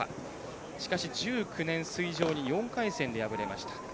しかし、１９年、水城に４回戦で敗れました。